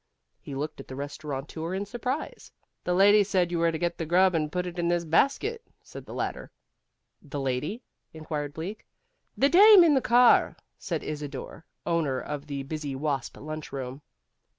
He looked at the restaurateur in surprise. "The lady said you were to get the grub and put it in this basket," said the latter. "The lady?" inquired Bleak. "The dame in the car," said Isidor, owner of the Busy Wasp Lunchroom.